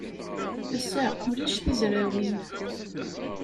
Ass-a, ulac tizrawin.